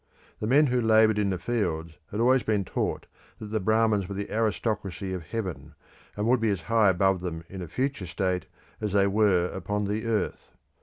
The men who laboured in the fields had always been taught that the Brahmins were the aristocracy of heaven, and would be as high above them in a future state as they were upon the earth.